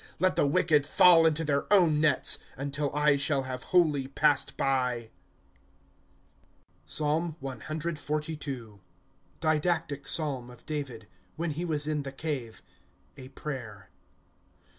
» Let the wicked f^Il into their own nets, Until I shall have wholly passed by. PSALM CXLIL Didactic [Psalm] of Dayid. When he was in tho cave. A prayer.